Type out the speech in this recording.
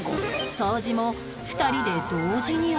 掃除も２人で同時に行う